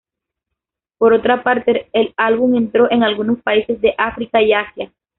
Por otra parte, el álbum entró en algunos países de África y Asia.